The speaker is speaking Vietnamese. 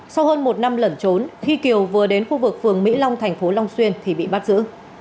sau hơn một năm lẩn trốn khi kiều vừa đến khu vực phường mỹ long thành phố long xuyên thì bị bắt giữ